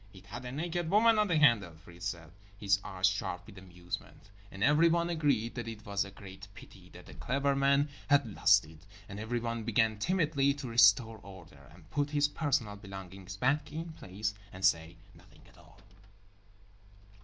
"It had a naked woman on the handle" Fritz said, his eyes sharp with amusement. And everyone agreed that it was a great pity that The Clever Man had lost it, and everyone began timidly to restore order and put his personal belongings back in place and say nothing at all.